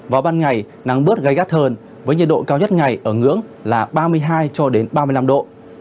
vào ban ngày nắng bớt gai gắt hơn với nhiệt độ cao nhất ngày ở ngưỡng là ba mươi hai cho đến ba mươi năm độ